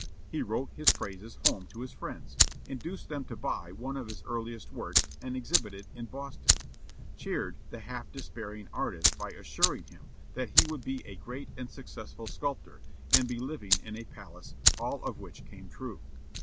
He wrote his praises home to his friends, induced them to buy one of his earliest works and exhibit it in Boston; cheered the half despairing artist by assuring him that he would be "a great and successful sculptor, and be living in a palace," all of which came true.